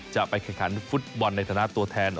จะไปแข่งขันฟุตบอลในฐานะตัวแทน